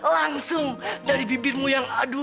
langsung dari bibirmu yang aduh